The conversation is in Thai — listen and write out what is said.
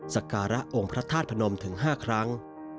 สการะองค์พระธาตุพนมถึง๕ครั้ง